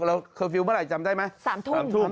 แล้วคอร์ฟิวเมื่อไหร่จำได้ไหม